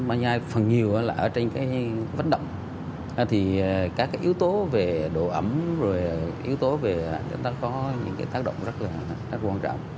mai nhai phần nhiều là ở trên cái vấn động thì các yếu tố về độ ẩm yếu tố về chúng ta có những cái tác động rất là quan trọng